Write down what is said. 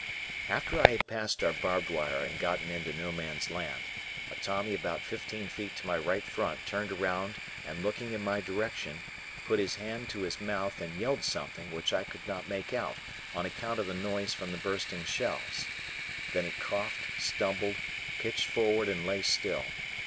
After I had passed our barbed wire and gotten into No Man's Land, a Tommy about fifteen feet to my right front turned around and looking in my direction, put his hand to his mouth and yelled something which I could not make out on account of the noise from the bursting shells. Then he coughed, stumbled, pitched forward, and lay still.